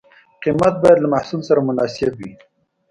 قیمت باید له محصول سره مناسب وي.